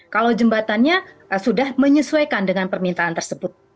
kalau jembatannya sudah menyesuaikan dengan permintaan tersebut